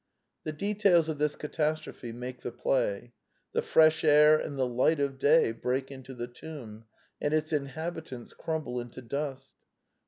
The details of this catastrophe make the play. The fresh air and the light of day break into the tomb; and its inhabitants crumble into dust.